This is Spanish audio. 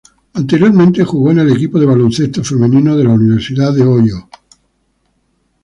Anteriormente jugó en el equipo de baloncesto femenino de la Universidad de Ohio.